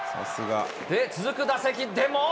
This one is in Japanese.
続く打席でも。